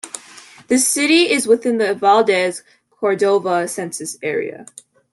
The city is within the Valdez-Cordova Census Area.